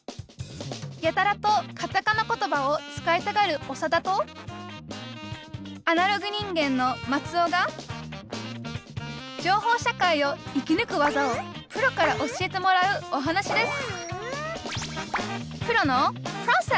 やたらとカタカナ言葉を使いたがるオサダとアナログ人間のマツオが情報社会を生きぬく技をプロから教えてもらうお話です